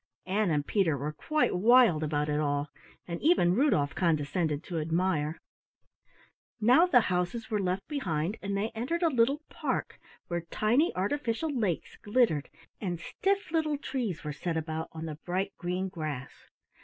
Ann and Peter were quite wild about it all, and even Rudolf condescended to admire. Now the houses were left behind and they entered a little park, where tiny artificial lakes glittered and stiff little trees were set about on the bright green grass.